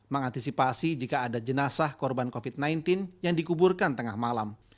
mengantisipasi jika ada jenazah korban covid sembilan belas yang dikuburkan tengah malam